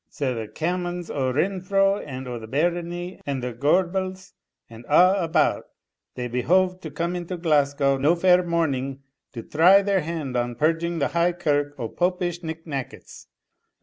Sae the commons o' Renfrew, and o' the Barony, and the Gorbals and a' about, they behoved to come into Glasgow no fair morning, to try their hand on purging the High Kirk o' Popish nick nackets.